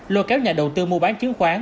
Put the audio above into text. lôi kéo nhà đầu tư mua bán chứng khoán